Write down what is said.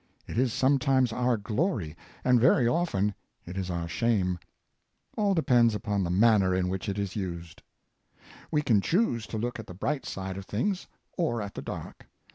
It is sometimes our glory, and very often it is our shame; all depends upon the manner in which it is used. We can choose to look at the bright side of things or at the dark.